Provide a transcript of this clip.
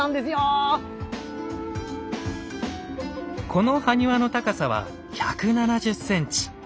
この埴輪の高さは１７０ｃｍ。